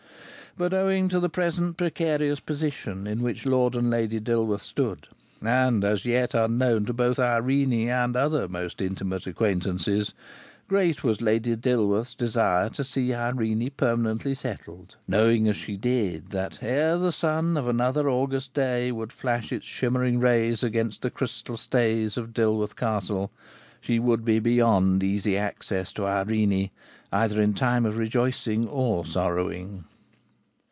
But owing to the present precarious position in which Lord and Lady Dilworth stood, and as yet unknown to both Irene and other most intimate acquaintances, great was Lady Dilworth's desire to see Irene permanently settled, knowing as she did that ere the sun of another August day would flash its shimmering rays against the crystal stays of Dilworth Castle she would be beyond easy access to Irene either in time of rejoicing or sorrowing.